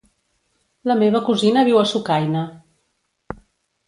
La meva cosina viu a Sucaina.